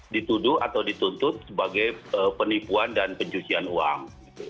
dituduh atau dituntut sebagai penipuan dan pencucian uang